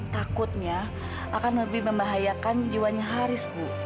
takutnya akan lebih membahayakan jiwanya haris bu